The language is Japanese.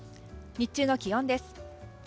日中の気温です。